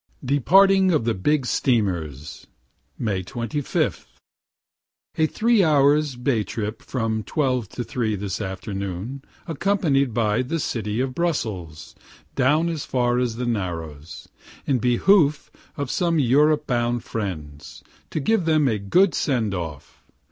DEPARTING OF THE BIG STEAMERS May 25. A three hours' bay trip from 12 to 3 this afternoon, accompanying "the City of Brussels" down as far as the Narrows, in behoof of some Europe bound friends, to give them a good send off.